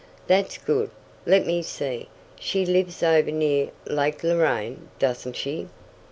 "That's good. Let me see, she lives over near Lake Loraine, doesn't she?"